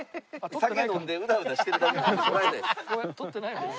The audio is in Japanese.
酒飲んでうだうだしてるだけもらえないです。